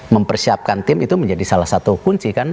mempersiapkan tim itu menjadi salah satu kunci kan